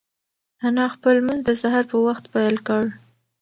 انا خپل لمونځ د سهار په وخت پیل کړ.